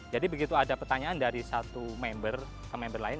jadi begitu ada pertanyaan dari satu member ke member lain